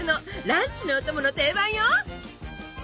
ランチのお供の定番よ。